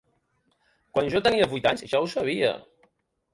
Quan jo tenia vuit anys ja ho sabia.